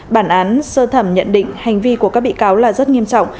bản án sơ thẩm nhận định hành vi của các bị cáo là rất nghiêm trọng